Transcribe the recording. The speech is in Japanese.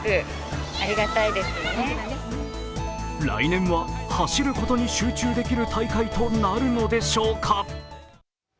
来年は走ることに集中できる大会となるのでしょうか。